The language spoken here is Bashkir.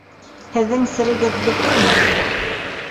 - Һеҙҙең серегеҙ бөтөрмө.